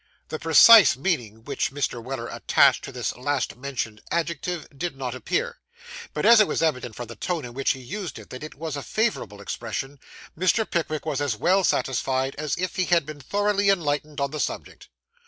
The precise meaning which Mr. Weller attached to this last mentioned adjective, did not appear; but, as it was evident from the tone in which he used it that it was a favourable expression, Mr. Pickwick was as well satisfied as if he had been thoroughly enlightened on the subject.